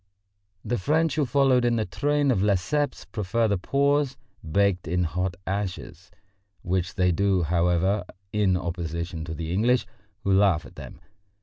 The French who followed in the train of Lesseps prefer the paws baked in hot ashes, which they do, however, in opposition to the English, who laugh at them.